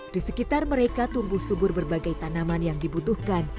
di sekitar mereka tumbuh subur berbagai tanaman yang dibutuhkan